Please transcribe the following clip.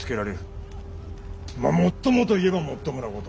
まあもっともと言えばもっともなこと。